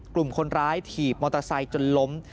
กลุ่มคนร้ายถีบมอเตอร์ไซค์จนล้ม